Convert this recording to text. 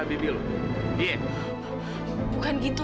nah kalau bersih kato